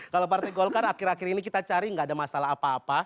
kalau partai golkar akhir akhir ini kita cari nggak ada masalah apa apa